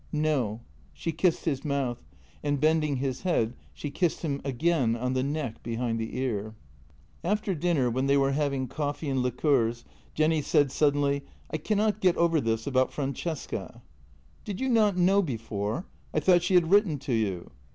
" No," she kissed his mouth, and, bending his head, she kissed him again on the neck behind the ear. After dinner, when they were having coffee and liqueurs, Jenny said suddenly: "I cannot get over this about Fran cesca." "Did you not know before? I thought she had written to you."